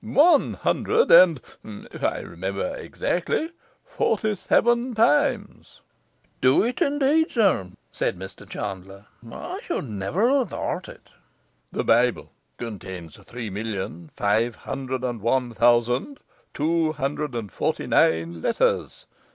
'One hundred and (if I remember exactly) forty seven times.' 'Do it indeed, sir?' said Mr Chandler. 'I never should have thought it.' 'The Bible contains three million five hundred and one thousand two hundred and forty nine letters.